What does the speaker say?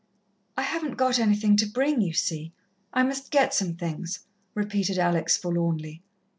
"I hadn't got anything to bring, you see. I must get some things," repeated Alex forlornly.